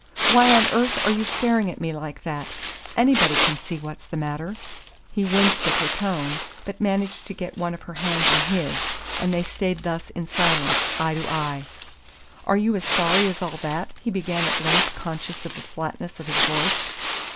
"Why on earth are you staring at me like that? Anybody can see what's the matter!" He winced at her tone, but managed to get one of her hands in his; and they stayed thus in silence, eye to eye. "Are you as sorry as all that?" he began at length conscious of the flatness of his voice.